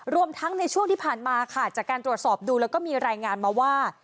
รวมทั้งในช่วงที่ผ่านมาค่ะจากการตรวจสอบดูแล้วก็มีรายงานมาว่า